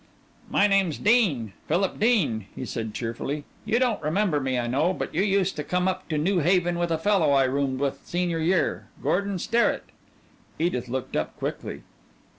"My name's Dean, Philip Dean," he said cheerfully. "You don't remember me, I know, but you used to come up to New Haven with a fellow I roomed with senior year, Gordon Sterrett." Edith looked up quickly.